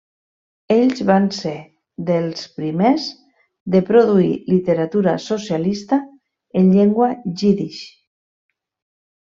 Ells van ser dels primers de produir literatura socialista en llengua jiddisch.